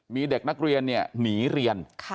มีเด็กนักเรียนเนี่ยหนีเรียน